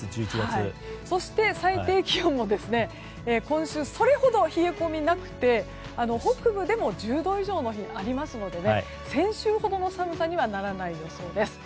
そして、最低気温も今週それほど冷え込みなくて北部でも１０度以上の日がありますので先週ほどの寒さにはならない予想です。